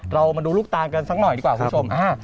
เรามาดูลูกตานกันสักหน่อยดีกว่าคุณผู้ชม